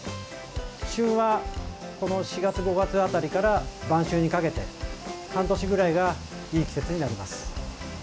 旬はこの４月、５月辺りから晩秋にかけて半年ぐらいがいい季節になります。